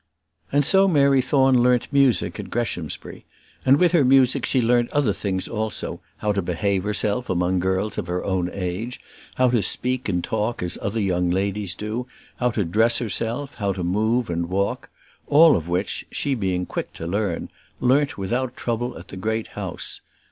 And so Mary Thorne learnt music at Greshamsbury, and with her music she learnt other things also; how to behave herself among girls of her own age; how to speak and talk as other young ladies do; how to dress herself, and how to move and walk. All which, she, being quick to learn, learnt without trouble at the great house.